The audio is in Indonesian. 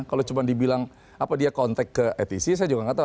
kalau cuma dibilang apa dia kontak ke atc saya juga nggak tahu